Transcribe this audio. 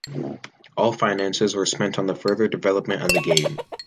All finances were spent on the further development of the game.